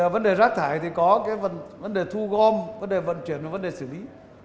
vấn đề rác thải có vấn đề thu gom vấn đề vận chuyển và vấn đề xử lý